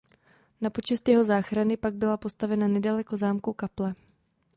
Na počest jeho záchrany pak byla postavena nedaleko zámku kaple.